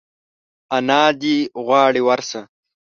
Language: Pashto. انا دي غواړي ورشه !